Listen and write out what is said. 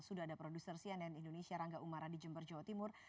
sudah ada produser cnn indonesia rangga umara di jember jawa timur